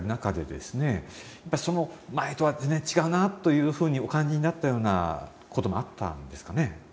やっぱりその前とは全然違うなというふうにお感じになったようなこともあったんですかね？